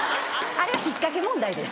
あれは引っ掛け問題です。